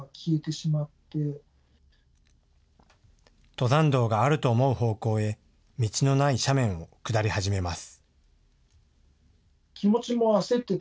登山道があると思う方向へ道のない斜面を下り始めます。